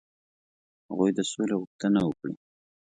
هغوی د سولي غوښتنه وکړي.